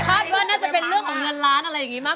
คาดว่าน่าจะเป็นเรื่องของเงินล้านอะไรอย่างนี้มาก